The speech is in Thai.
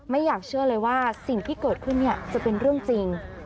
ไม่อยากเชื่อเลยว่าสิ่งที่เกิดขึ้นจะเป็นเรื่องจริง